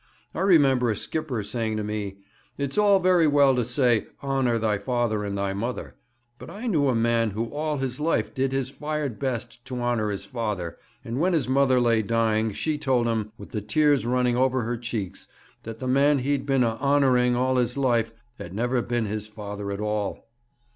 I remember a skipper saying to me: "It's all very well to say, 'Honour thy father and thy mother,' but I knew a man who all his life did his fired best to honour his father, and when his mother lay dying she told him, with the tears running over her cheeks, that the man he'd been a honouring all his life had never been his father at all!"'